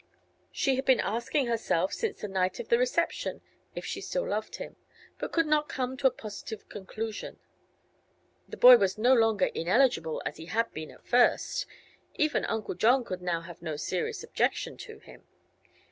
She had been asking herself, since the night of the reception, if she still loved him, but could not come to a positive conclusion. The boy was no longer "ineligible," as he had been at first; even Uncle John could now have no serious objection to him.